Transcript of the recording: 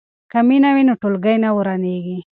که مینه وي نو ټولګی نه ورانیږي.